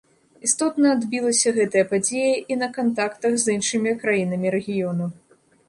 Істотна адбілася гэтая падзея і на кантактах з іншымі краінамі рэгіёну.